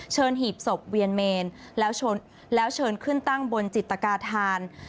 หีบศพเวียนเมนแล้วเชิญขึ้นตั้งบนจิตกาธาน